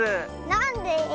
なんで？